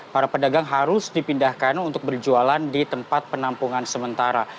para pedagang harus dipindahkan untuk berjualan di tempat penampungan sementara